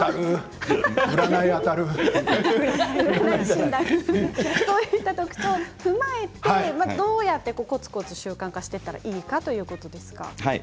そういった特徴を踏まえてどうやってこつこつ習慣化していったらいいですか？